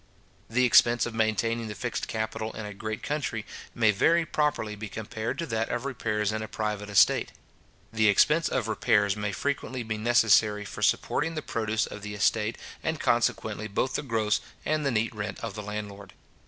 The expense of maintaining the fixed capital in a great country, may very properly be compared to that of repairs in a private estate. The expense of repairs may frequently be necessary for supporting the produce of the estate, and consequently both the gross and the neat rent of the landlord.